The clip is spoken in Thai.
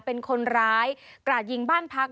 เป็นคนร้ายกราดยิงบ้านพัก